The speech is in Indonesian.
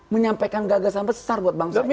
menyampaikan gagasan besar buat bangsa